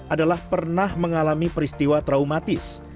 adalah pernah mengalami peristiwa traumatis